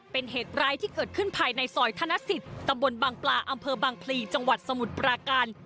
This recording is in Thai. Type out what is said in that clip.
เป็นเหตุร้ายที่เกิดขึ้นภายในซอยธนสิทธิ์ตำบลบางปลาอำเภอบางพลีจังหวัดสมุทรปราการ